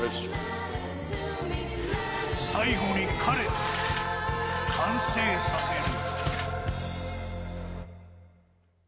最後に彼と、完成させる。